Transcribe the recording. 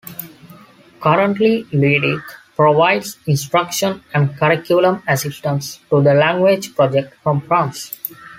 Currently, Leduey provides instruction and curriculum assistance to the Language Project from France.